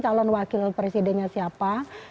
calon wakil presidennya siapa